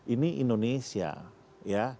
ini indonesia ya